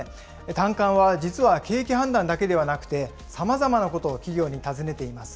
短観は実は景気判断だけではなくて、さまざまなことを企業に尋ねています。